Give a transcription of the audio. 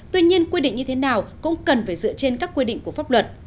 tuy nhiên quy định như thế nào cũng cần phải dựa trên các quy định của pháp luật